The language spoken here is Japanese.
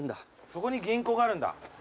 そこに銀行があるんだたぶん。